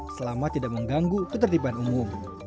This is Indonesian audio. selama tidak mengganggu ketertiban umum